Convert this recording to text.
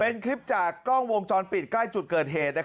เป็นคลิปจากกล้องวงจรปิดใกล้จุดเกิดเหตุ